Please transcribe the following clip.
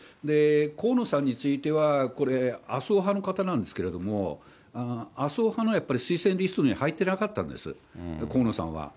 河野さんについては、これ、麻生派の方なんですけれども、麻生派のやっぱり推薦リストに入ってなかったんです、河野さんは。